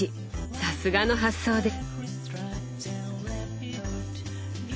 さすがの発想です！